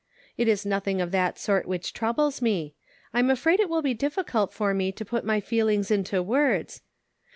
" It is nothing of that sort which troubles me ; I'm afraid it will be difficult for me to put my feelings into words.